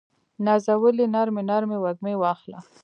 نازولې نرمې، نرمې وږمې واخله